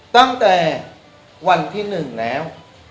ตั้งแต่วันที่๑แล้ว